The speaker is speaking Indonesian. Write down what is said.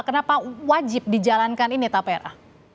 kenapa wajib dijalankan ini tapera